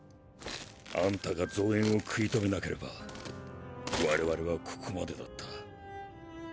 あんたが増援を食い止めなければ我々はここまでだった。